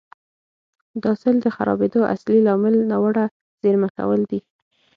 د حاصل د خرابېدو اصلي لامل ناوړه زېرمه کول دي